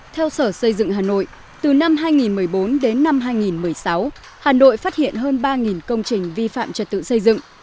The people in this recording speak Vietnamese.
theo sở xây dựng hà nội từ năm hai nghìn một mươi bốn đến năm hai nghìn một mươi sáu hà nội phát hiện hơn ba công trình vi phạm trật tự xây dựng